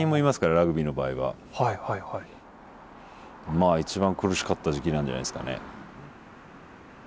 まあ一番苦しかった時期なんじゃないですかね。